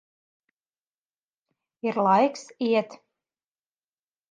Ir laiks iet.